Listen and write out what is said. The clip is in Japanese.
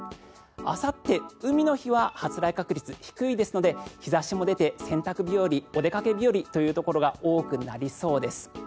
あさって、海の日は発雷確率低いですので日差しも出て、洗濯日和お出かけ日和というところが多くなりそうです。